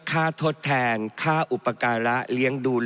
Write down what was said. แก้ไขเพิ่มเติม